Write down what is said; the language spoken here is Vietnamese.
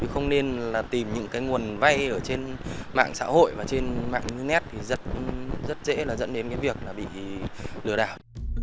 không nên tìm những nguồn vay trên mạng xã hội và trên mạng net thì rất dễ dẫn đến việc bị lừa đảo